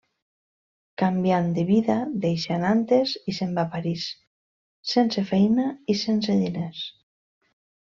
Canviant de vida, deixa Nantes i se'n va a París sense feina i sense diners.